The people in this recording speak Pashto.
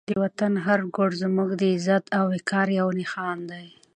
د وطن هر ګوټ زموږ د عزت او وقار یو نښان دی.